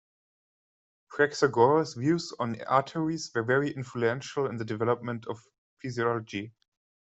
Praxagoras' views on arteries were very influential in the development of physiology.